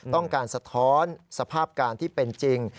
ต้องการสะท้อนสภาพการณ์ที่เป็นจริง